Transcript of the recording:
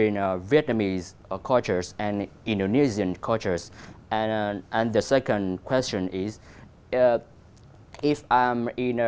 nhiều vấn đề về cộng đồng ví dụ như sản phẩm